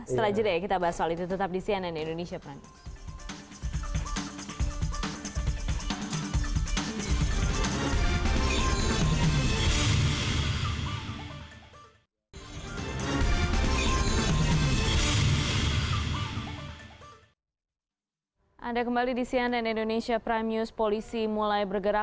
setelah itu kita bahas soal itu tetap di cnn indonesia